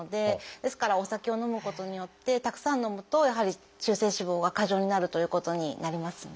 ですからお酒を飲むことによってたくさん飲むとやはり中性脂肪が過剰になるということになりますね。